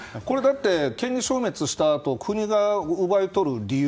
権利消滅したあと国が奪い取る理由